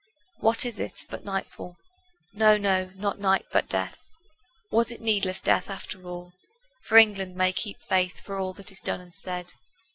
What is it but nightfall? No, no, not night but death; Was it needless death after all? For England may keep faith For all that is done and said.